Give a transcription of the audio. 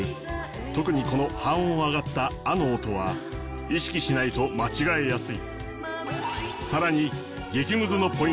特にこの半音上がった「あ」の音は意識しないと間違えやすい。